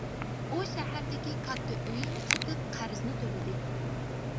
ئۇ شەھەردىكى كاتتا ئۆيىنى سېتىپ قەرزنى تۆلىدى.